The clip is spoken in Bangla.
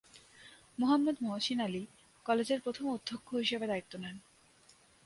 মোহাম্মদ মহসিন আলী কলেজের প্রথম অধ্যক্ষ হিসেবে দায়িত্ব নেন।